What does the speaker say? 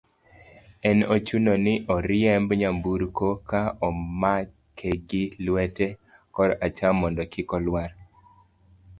ne ochuno ni oriemb nyamburko ka omake gi lwete kor acham mondo kik olwar